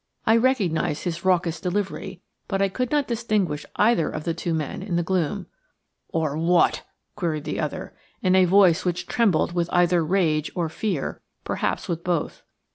I recognised his raucous delivery, but I could not distinguish either of the two men in the gloom. "Or what?" queried the other, in a voice which trembled with either rage or fear–perhaps with both.